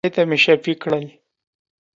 خدای ته مي شفېع کړل.